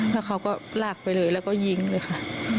แล้วเขาก็ลากไปเลยแล้วก็ยิงเลยค่ะ